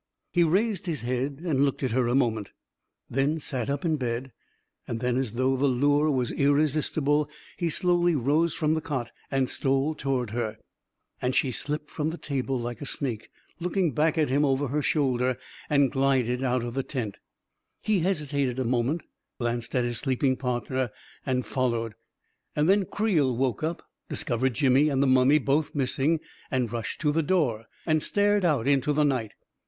He raised his head and looked at her a moment; then sat up in bed ; and then, as though the lure was irresistible, he slowly rose from the cot and stole to ward her ; and she slipped from the table like a snake, looking back at him over her shoulder, and glided 330 A KING IN BABYLON out of the tent. He hesitated a moment, glanced at his sleeping partner, and followed. And then Creel woke up, discovered Jimmy and the mummy both missing, and rushed to the door, and stared out into the night.